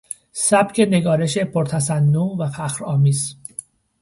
سبک نگارش پر تصنع و فخر آمیز